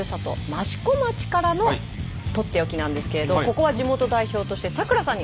益子町からのとっておきなんですけれどここは地元代表として咲楽さんにお願いします。